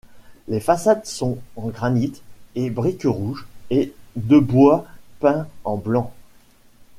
Les façades sont en granite et briques rouges et debois peint en blanc.